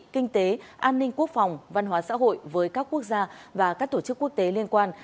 kinh tế an ninh quốc phòng văn hóa xã hội với các quốc gia và các tổ chức quốc tế liên quan